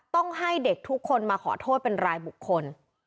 ต้องให้เด็กทุกคนมาขอโทษเป็นรายบุคคล